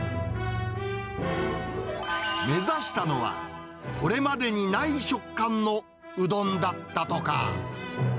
目指したのは、これまでにない食感のうどんだったとか。